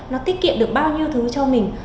nó tiết kiệm được bao nhiêu thứ cho mình